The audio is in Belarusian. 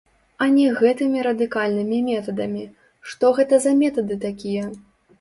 А не гэтымі радыкальнымі метадамі, што гэта за метады такія?